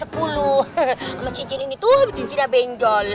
sama cincin ini tuh cincinnya benjol